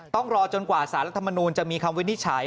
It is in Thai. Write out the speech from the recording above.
ต้องรอจนกว่าสารรัฐมนูลจะมีคำวินิจฉัย